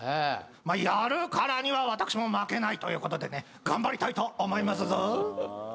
やるからには私も負けないということでね頑張りたいと思いますぞ。